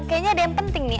kayaknya ada yang penting nih